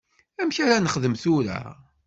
Amek ara nexdem tura?